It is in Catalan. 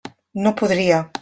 No podria.